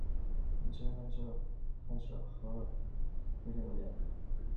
北ホラント州の州都はハールレムである